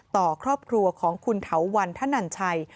ต่อครอบครัวของคุณเถาวันธนันชัย